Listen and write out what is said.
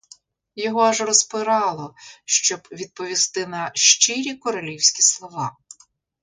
Його аж розпирало, щоб відповісти на щирі королівські слова.